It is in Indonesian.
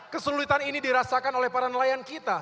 kesulitan ini dirasakan oleh para nelayan kita